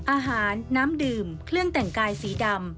อาหารน้ำดื่มเครื่องแต่งกายสีดำ